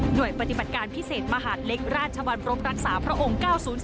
โดยปฏิบัติการพิเศษมหาดเล็กราชวรรพรักษาพระองค์๙๐๔